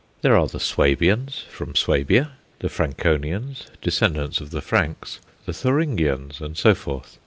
There are the Swabians, from Swabia; the Frankonians, descendants of the Franks; the Thuringians, and so forth.